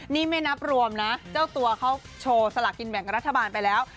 นี่ไม่นับรวมนะเจ้าตัวเขาโชว์สลากินแบ่งรัฐบาลไปแล้ว